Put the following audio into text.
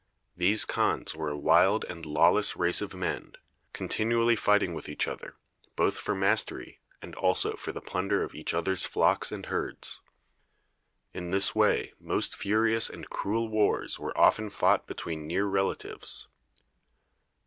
These khans were a wild and lawless race of men, continually fighting with each other, both for mastery, and also for the plunder of each other's flocks and herds. In this way most furious and cruel wars were often fought between near relatives.